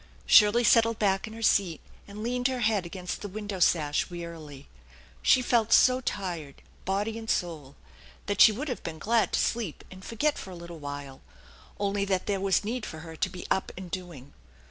Shirley settled back in her seat, and leaned her head against the window sash wearily. She felt so tired, body and soul, that she would have been glad to sleep and forget for a little while, only that there was need for her to be up and doing.